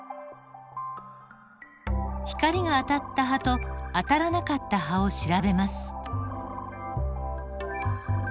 光が当たった葉と当たらなかった葉を調べます。